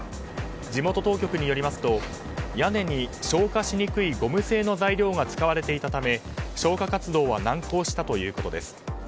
地元当局によりますと屋根に消火しにくいゴム製の材料が使われていたため消火活動は難航したということです。